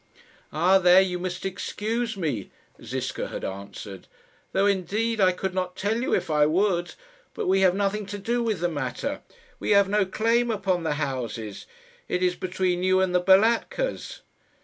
"Ah, there you must excuse me," Ziska had answered; "though, indeed, I could not tell you if I would. But we have nothing to do with the matter. We have no claim upon the houses. It is between you and the Balatkas."